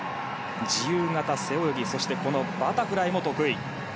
自由形、背泳ぎこのバタフライも得意。